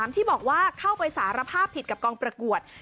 ที่บอกว่าเข้าไปสารภาพผิดกับกองประกวด